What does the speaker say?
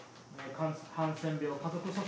ハンセン病家族訴訟。